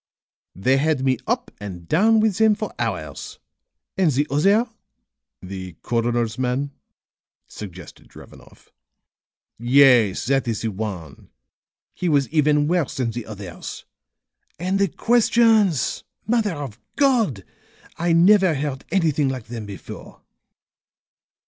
"They had me up and down with them for hours. And the other " "The coroner's man," suggested Drevenoff. "Yes, that is the one. He was even worse than the others. And the questions! Mother of God! I never heard anything like them before."